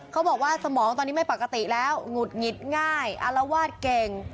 เขาบอกว่าสมองตอนนี้ไม่ปกติแล้วหงุดหงิดง่ายอารวาสเก่ง